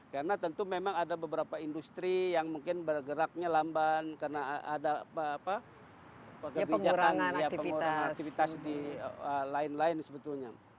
karena tentu memang ada beberapa industri yang mungkin bergeraknya lamban karena ada pengurangan aktivitas di lain lain sebetulnya